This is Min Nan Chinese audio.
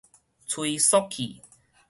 催速器